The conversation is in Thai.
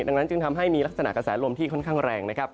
ดังนั้นจึงทำให้มีลักษณะกระแสลมที่ค่อนข้างแรงนะครับ